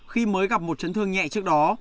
khi mới gặp một trấn thương nhẹ trước đó